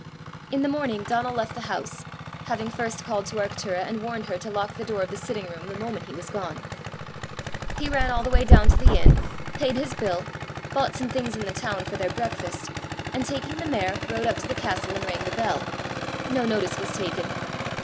In the morning Donal left the house, having first called to Arctura and warned her to lock the door of the sitting room the moment he was gone. He ran all the way down to the inn, paid his bill, bought some things in the town for their breakfast, and taking the mare, rode up to the castle, and rang the bell. No notice was taken.